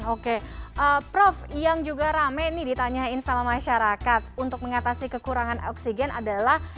oke prof yang juga rame nih ditanyain sama masyarakat untuk mengatasi kekurangan oksigen adalah